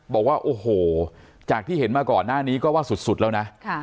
บอกว่าโอ้โหจากที่เห็นมาก่อนหน้านี้ก็ว่าสุดแล้วนะ